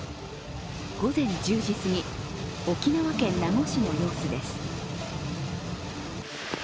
午前１０時すぎ、沖縄県名護市の様子です。